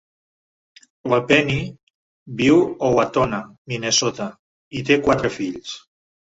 La Penny viu Owatonna, Minnesota; i té quatre fills.